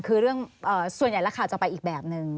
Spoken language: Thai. คือเรื่องส่วนใหญ่แล้วข่าวจะไปอีกแบบนึง